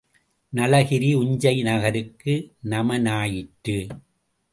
நளகிரி உஞ்சை நகருக்கு நமனாயிற்று.